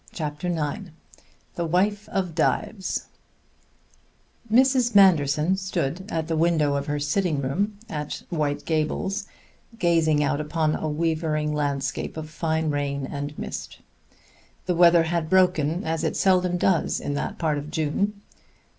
CHAPTER IX THE WIFE OF DIVES Mrs. Manderson stood at the window of her sitting room at White Gables gazing out upon a wavering landscape of fine rain and mist. The weather had broken as it seldom does in that part in June.